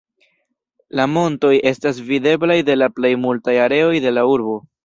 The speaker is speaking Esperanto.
La montoj estas videblaj de la plej multaj areoj de la urbo.